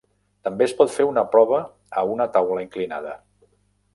També es pot fer una prova a una taula inclinada.